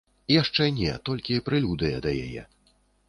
Яшчэ не, толькі прэлюдыя да яе.